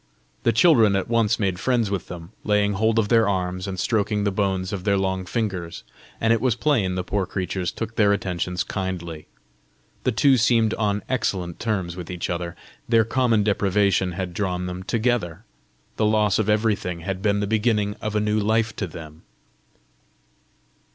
The children at once made friends with them, laying hold of their arms, and stroking the bones of their long fingers; and it was plain the poor creatures took their attentions kindly. The two seemed on excellent terms with each other. Their common deprivation had drawn them together! the loss of everything had been the beginning of a new life to them!